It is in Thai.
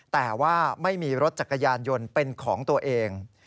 แต่ว่าไม่มีรถจักรยานยนต์เป็นของตัวเอง